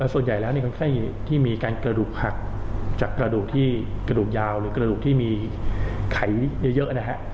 ส่วนใหญ่แล้วคนไข้ที่มีการกระดูกหักจากกระดูกที่กระดูกยาวหรือกระดูกที่มีไขเยอะนะฮะ